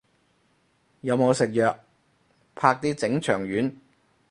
有冇食藥，啪啲整腸丸